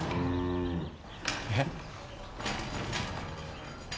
えっ？